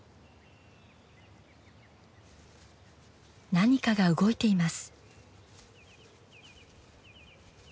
何かが動いています。